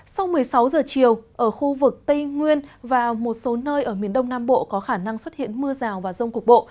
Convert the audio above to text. sau một mươi sáu giờ chiều ở khu vực tây nguyên và một số nơi ở miền đông nam bộ có khả năng xuất hiện mưa rào và rông cục bộ